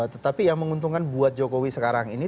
tetapi yang menguntungkan buat jokowi sekarang ini